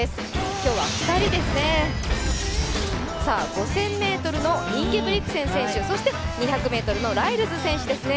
今日は２人ですね、５０００ｍのインゲブリクセン選手、そして２００ｍのライルズ選手ですね。